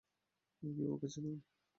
কেউ ওকে চেনেন?